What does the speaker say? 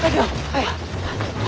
はい！